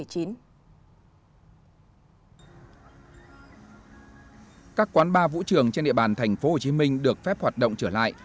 các quán bar vũ trường trên địa bàn tp hcm được phép hoạt động trở lại